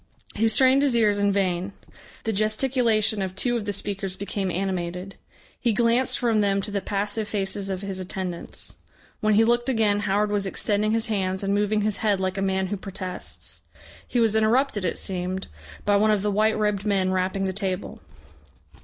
He strained his ears in vain. The gesticulation of two of the speakers became animated. He glanced from them to the passive faces of his attendants.... When he looked again Howard was extending his hands and moving his head like a man who protests. He was interrupted, it seemed, by one of the white robed men rapping the table.